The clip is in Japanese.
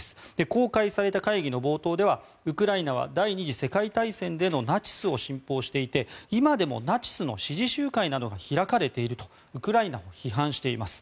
公開された会議の冒頭ではウクライナは第２次世界大戦でのナチスを信奉していて今でもナチスの支持集会などが開かれているとウクライナを批判しています。